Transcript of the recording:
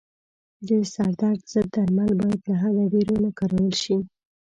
د سردرد ضد درمل باید له حده ډېر و نه کارول شي.